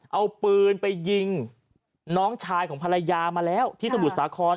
เอาปืนไปยิงน้องชายของภรรยามาแล้วที่สมุทรสาคร